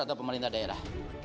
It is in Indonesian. atau pemerintah daerah